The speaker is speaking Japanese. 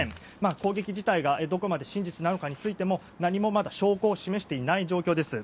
攻撃自体がどこまで真実なのかについても何もまだ証拠を示していない状況です。